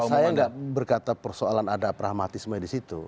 saya nggak berkata persoalan ada pragmatisme di situ